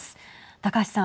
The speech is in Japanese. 高橋さん。